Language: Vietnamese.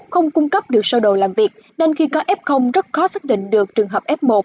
không cung cấp được sơ đồ làm việc nên khi có f rất khó xác định được trường hợp f một